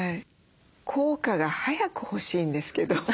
効果が早く欲しいんですけど。